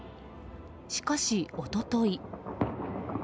しかし、一昨日。